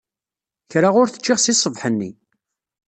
Kra ur t-ččiɣ seg ṣṣbeḥ-nni.